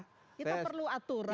kita perlu aturan